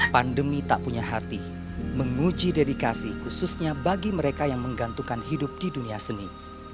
pandemi tak punya hati menguji dedikasi khususnya bagi mereka yang menggantungkan hidup di dunia seni